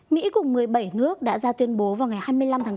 mỹ cùng một mươi bảy nước đã ra tuyên bố vào ngày hai mươi năm tháng bốn